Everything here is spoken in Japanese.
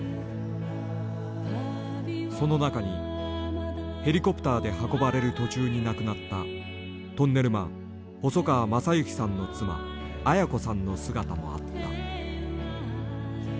その中にヘリコプターで運ばれる途中に亡くなったトンネルマン細川正行さんの妻綾子さんの姿もあった。